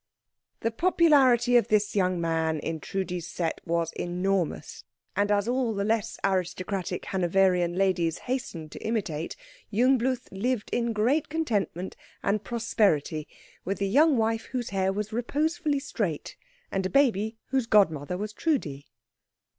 The popularity of this young man in Trudi's set was enormous; and as all the less aristocratic Hanoverian ladies hastened to imitate, Jungbluth lived in great contentment and prosperity with a young wife whose hair was reposefully straight, and a baby whose godmother was Trudi.